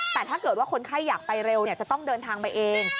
แต่ถ้าเกิดว่าคนไข้อยากไปเร็วจะต้องเดินทางไปเอง